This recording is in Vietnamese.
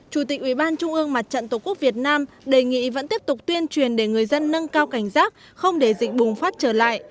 chủ tịch ủy ban trung ương mặt trận tổ quốc việt nam đề nghị vẫn tiếp tục tuyên truyền để người dân nâng cao cảnh giác không để dịch bùng phát trở lại